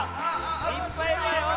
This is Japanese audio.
いっぱいいるわよ。